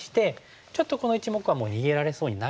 ちょっとこの１目はもう逃げられそうにないんですよね。